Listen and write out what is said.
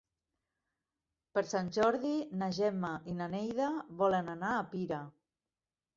Per Sant Jordi na Gemma i na Neida volen anar a Pira.